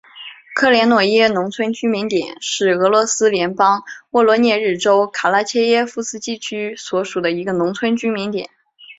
科连诺耶农村居民点是俄罗斯联邦沃罗涅日州卡拉切耶夫斯基区所属的一个农村居民点。